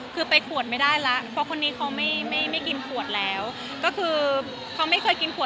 คือไปขวดไม่ได้แล้วเพราะคนนี้เขาไม่กินขวดแล้ว